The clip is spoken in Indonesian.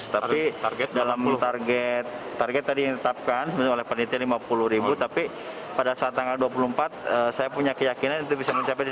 tapi target tadi ditetapkan oleh penelitian lima puluh tapi pada saat tanggal dua puluh empat saya punya keyakinan bisa mencapai di delapan puluh